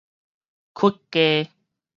屈低